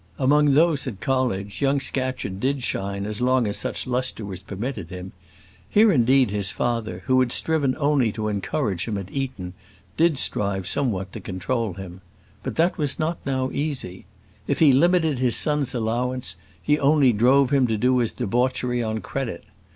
Among those at college young Scatcherd did shine as long as such lustre was permitted him. Here, indeed, his father, who had striven only to encourage him at Eton, did strive somewhat to control him. But that was not now easy. If he limited his son's allowance, he only drove him to do his debauchery on credit.